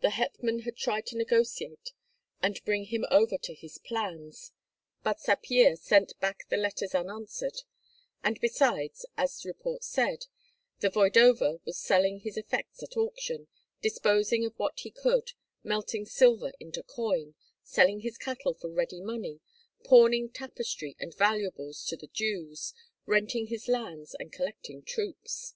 The hetman had tried to negotiate and bring him over to his plans, but Sapyeha sent back the letters unanswered; and besides, as report said, the voevoda was selling his effects at auction, disposing of what he could, melting silver into coin, selling his cattle for ready money, pawning tapestry and valuables to the Jews, renting his lands and collecting troops.